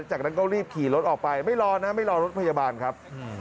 จากนั้นก็รีบขี่รถออกไปไม่รอนะไม่รอรถพยาบาลครับ